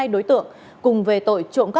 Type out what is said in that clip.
hai đối tượng cùng về tội trộm